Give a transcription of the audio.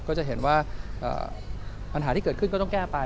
ก็จะเห็นว่าปัญหาที่เกิดขึ้นก็ต้องแก้ไป